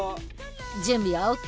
準備はＯＫ？